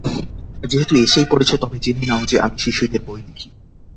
যেহেতু এসেই পড়েছ, তবে জেনে নাও যে, আমি শিশুদের বই লিখি।